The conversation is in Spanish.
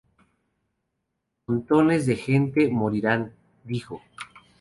Montones de gente morirían", dijo.